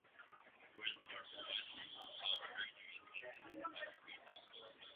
World War One saw further increases in passenger traffic.